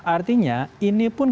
artinya ini pun